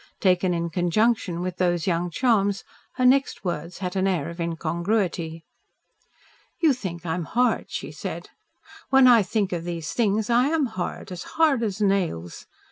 Taken in conjunction with those young charms, her next words had an air of incongruity. "You think I am hard," she said. "When I think of these things I am hard as hard as nails.